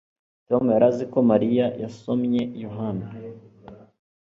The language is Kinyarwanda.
Tom yari azi ko Mariya yasomye Yohana